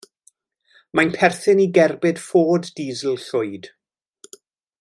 Mae'n perthyn i gerbyd Ford disel llwyd.